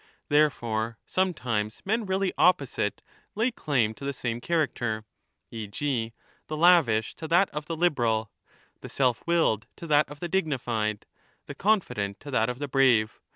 There fore, sometimes men really opposite lay claim to the same character, e.g. the lavish to that of the liberal, the self willed to that of the dignified, the confident to that of the brave.